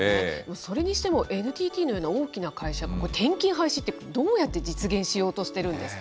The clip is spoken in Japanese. それにしてもＮＴＴのような大きな会社が転勤廃止って、どうやって実現しようとしているんですか？